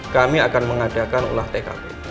kami akan mengadakan olah tkp